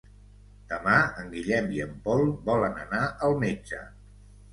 Demà en Guillem i en Pol volen anar al metge.